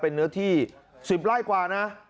เป็นเนื้อที่๑๐ไร่กว่านะ